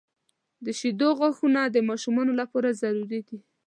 • د شیدو غاښونه د ماشومانو لپاره ضروري دي.